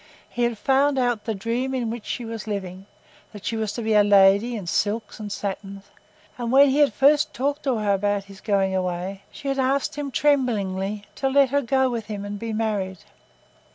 He had found out the dream in which she was living—that she was to be a lady in silks and satins—and when he had first talked to her about his going away, she had asked him tremblingly to let her go with him and be married.